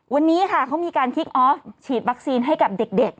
วันนี้ค่ะเขามีการคิกออฟฉีดวัคซีนให้กับเด็ก